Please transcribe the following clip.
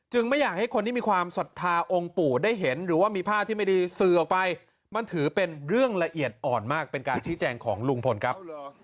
ไม่อยากให้คนที่มีความศรัทธาองค์ปู่ได้เห็นหรือว่ามีภาพที่ไม่ดีสื่อออกไปมันถือเป็นเรื่องละเอียดอ่อนมากเป็นการชี้แจงของลุงพลครับ